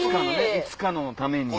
いつかのために。